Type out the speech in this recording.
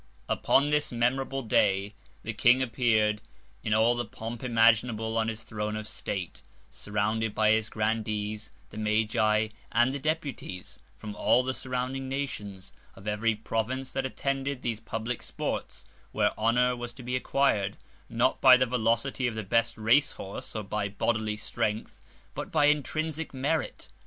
_ Upon this memorable Day, the King appear'd in all the Pomp imaginable on his Throne of State, surrounded by his Grandees, the Magi, and the Deputies, from all the surrounding Nations, of every Province that attended these public Sports, where Honour was to be acquir'd, not by the Velocity of the best Race Horse, or by bodily Strength, but by intrinsic Merit.